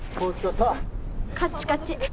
カッチカチ。